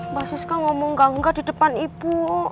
mbak siska ngomong gangga di depan ibu